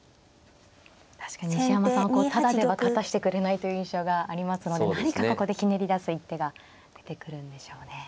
確かに西山さんはタダでは勝たしてくれないという印象がありますので何かここでひねり出す一手が出てくるんでしょうね。